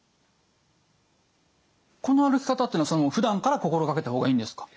この歩き方っていうのはふだんから心掛けた方がいいんですか？